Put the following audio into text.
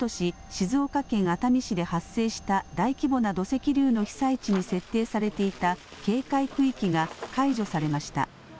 静岡県熱海市で発生した大規模な土石流の被災地に設定されていた警戒区域が解除されました。